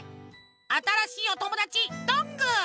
あたらしいおともだちどんぐー。